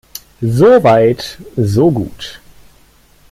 So weit, so gut.